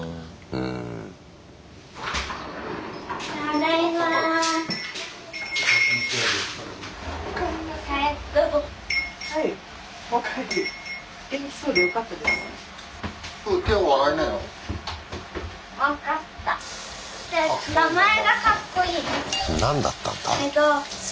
うん。何だったんだ？